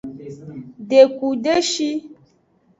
Deku deshi.